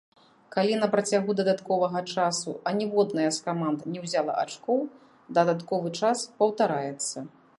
Калі на працягу дадатковага часу аніводная з каманд не ўзяла ачкоў, дадатковы час паўтараецца.